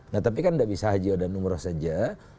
nah tapi kan tidak bisa haji dan umroh saja